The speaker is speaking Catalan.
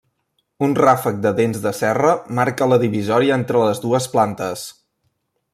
Un ràfec de dents de serra marca la divisòria entre les dues plantes.